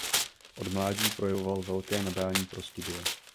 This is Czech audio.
Od mládí projevoval velké nadání pro studia.